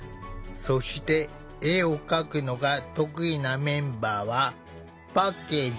そして絵を描くのが得意なメンバーはパッケージのデザインを担当。